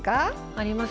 あります。